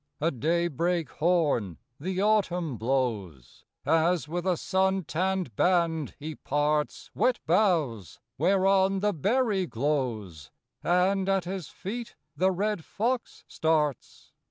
II. A daybreak horn the Autumn blows, As with a sun tanned band he parts Wet boughs whereon the berry glows; And at his feet the red fox starts.